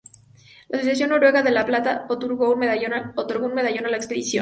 La Asociación Noruega de La Plata otorgó un medallón a la expedición.